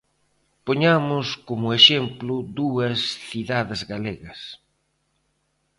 Poñamos como exemplo dúas cidades galegas.